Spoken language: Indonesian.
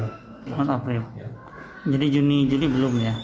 jumat april jadi juni juli belum ya